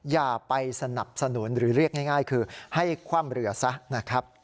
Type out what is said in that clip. อย่าไปสนับสนุนหรือเรียกง่ายคือให้คว่ำเรือซะนะครับ